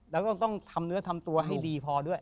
แล้วก็ต้องทำเนื้อทำตัวให้ดีพอด้วย